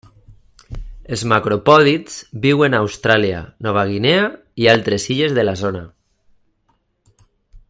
Els macropòdids viuen a Austràlia, Nova Guinea i altres illes de la zona.